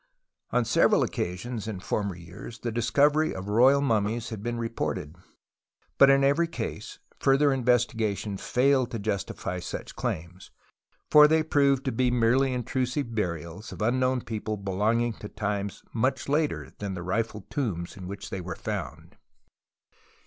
On several occasions in former years the discovery of Royal mummies had been reported ; but in every case further investiga tion failed to justify such claims, for they proved to be merely intrusive burials of un known people belonging to times much later than the rifled tombs in which they were THE VALLEY OF THE TOMBS 7 '3 found.